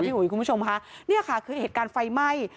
อุ๋ยคุณผู้ชมค่ะนี่ค่ะคือเหตุการณ์ไฟไหม้